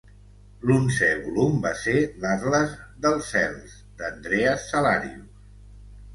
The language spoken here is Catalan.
L'onzè volum va ser l'Atles dels cels d'Andreas Cellarius.